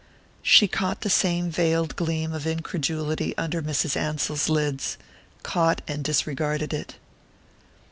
She caught the same veiled gleam of incredulity under Mrs. Ansell's lids caught and disregarded it.